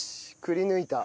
くりぬいた。